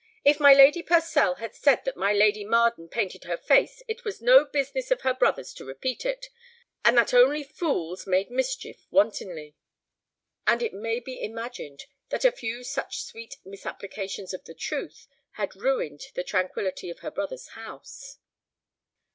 "If my Lady Purcell had said that my Lady Marden painted her face, it was no business of her brother's to repeat it, and that only fools made mischief wantonly." And it may be imagined that a few such sweet misapplications of the truth had ruined the tranquillity of her brother's house.